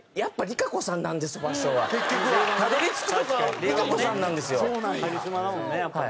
カリスマだもんねやっぱね。